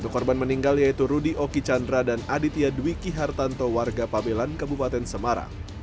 satu korban meninggal yaitu rudy oki chandra dan aditya dwi ki hartanto warga pabelan kabupaten semarang